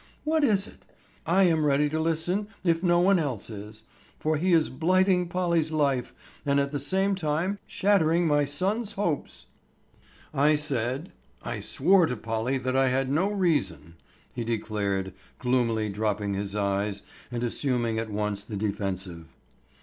What is it? I am ready to listen if no one else is, for he is blighting Polly's life and at the same time shattering my son's hopes." "I said—I swore to Polly that I had no reason," he declared, gloomily dropping his eyes and assuming at once the defensive.